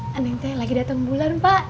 neneng teh lagi datang bulan pak